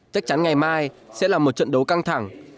chắc chắn ngày mai sẽ là một trận đấu căng thẳng